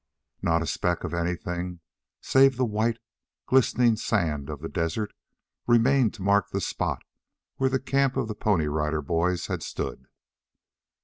Not a speck of anything save the white, glistening sand of the desert remained to mark the spot where the camp of the Pony Rider Boys had stood.